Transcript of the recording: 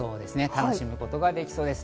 楽しむことができそうです。